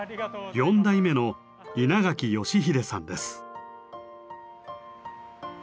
４代目の稲垣嘉英さんです。